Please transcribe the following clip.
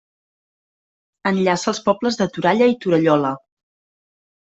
Enllaça els pobles de Toralla i Torallola.